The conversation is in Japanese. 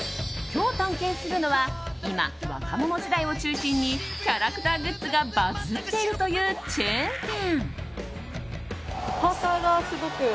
今日探検するのは今、若者世代を中心にキャラクターグッズがバズっているというチェーン店。